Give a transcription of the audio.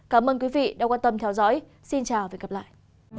cảm ơn quý vị đã quan tâm theo dõi xin chào và hẹn gặp lại